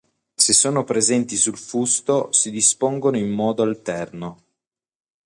Se sono presenti sul fusto si dispongono in modo alterno.